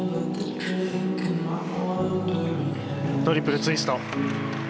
トリプルツイスト。